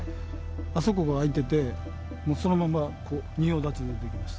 あそこが開いてて、もうそのまま仁王立ちで出てきました。